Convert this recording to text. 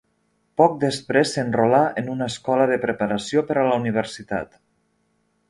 Poc després s'enrolà en una escola de preparació per a la universitat.